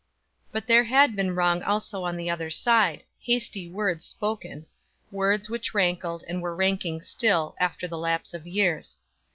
But there had been wrong also on the other side, hasty words spoken words which rankled, and were rankling still, after the lapse of years.